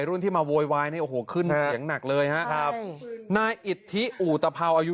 รุ่นที่มาโวยวายนี่โอ้โหขึ้นเสียงหนักเลยฮะครับนายอิทธิอุตภาวอายุ